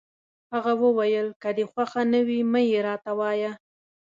هغه وویل: که دي خوښه نه وي، مه يې راته وایه.